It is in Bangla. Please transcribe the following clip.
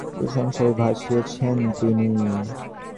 পরে অবশ্য সাধারণ থেকে অসাধারণ হয়ে ওঠা উইনিকে প্রশংসায় ভাসিয়েছেন তিনি।